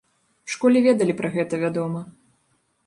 У школе ведалі пра гэта, вядома.